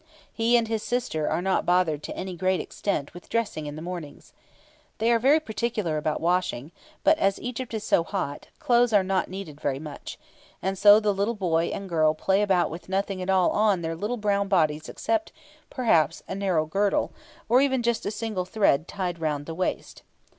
He and his sister are not bothered to any great extent with dressing in the mornings. They are very particular about washing, but as Egypt is so hot, clothes are not needed very much, and so the little boy and girl play about with nothing at all on their little brown bodies except, perhaps, a narrow girdle, or even a single thread tied round the waist.